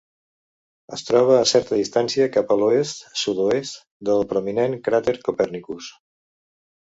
Es troba a certa distància cap a l'oest-sud-oest del prominent cràter Copernicus.